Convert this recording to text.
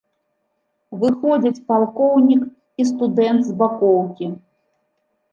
Выходзяць палкоўнік і студэнт з бакоўкі.